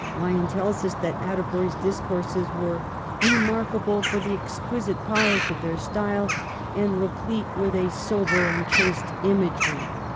Wyon tells us that Atterbury's discourses were 'remarkable for the exquisite polish of their style and replete with a sober and chaste imagery.'